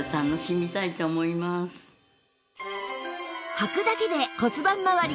はくだけで骨盤まわりが整い